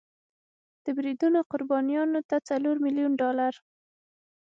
د بریدونو قربانیانو ته څلور میلیون ډالر